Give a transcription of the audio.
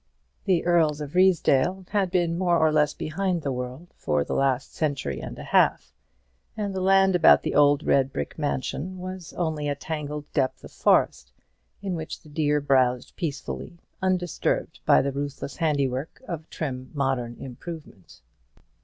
The Earls of Ruysdale had been more or less behind the world for the last century and a half; and the land about the old red brick mansion was only a tangled depth of forest, in which the deer browsed peacefully, undisturbed by the ruthless handiwork of trim modern improvement.